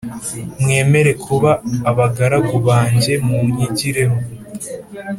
Mwemere kuba abagaragu banjye munyigireho